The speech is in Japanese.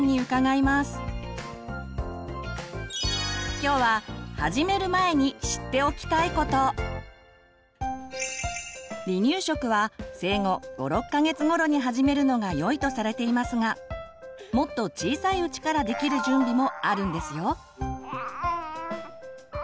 今日は離乳食は生後５６か月頃に始めるのがよいとされていますがもっと小さいうちからできる準備もあるんですよ。